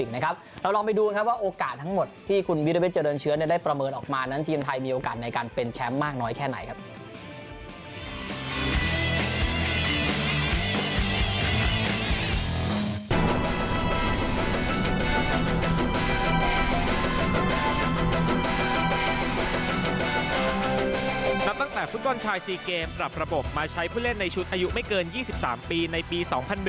นับตั้งแต่ฟุตบอลชายซีเกมปรับระบบมาใช้ผู้เล่นในชุดอายุไม่เกิน๒๓ปีในปี๒๐๐๑